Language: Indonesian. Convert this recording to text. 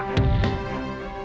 sekarang inginkan descu